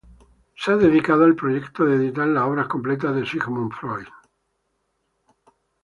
Se ha dedicado al proyecto de editar las obras completas de Sigmund Freud.